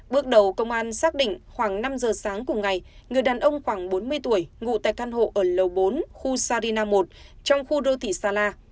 bước đầu công an xác định khoảng năm h sáng cùng ngày người đàn ông khoảng bốn mươi tuổi ngủ tại căn hộ ở lầu bốn khu sarina một trong khu đô thị sala